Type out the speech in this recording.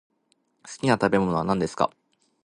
好きな食べ物は何ですか。